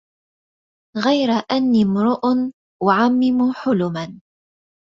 غير أني امرؤ أعمم حلما